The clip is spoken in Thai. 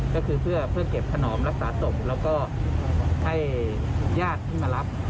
ก็คือเพื่อเก็บขนอมรักษาศพแล้วก็ให้ญาติที่มารับ